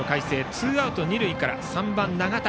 ツーアウト二塁から３番、永田。